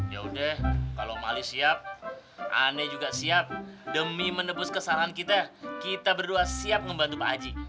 yaudah kalo mali siap ane juga siap demi menebus kesalahan kita kita berdua siap ngebantu pak haji